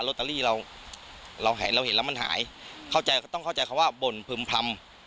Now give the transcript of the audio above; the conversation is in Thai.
โรตเตอรี่เราเห็นแล้วมันหายต้องเข้าใจเขาว่าบ่นพึมพรรม